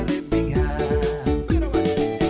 để biết thêm về